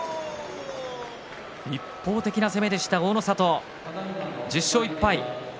一方的な攻めでした、大の里１０勝１敗。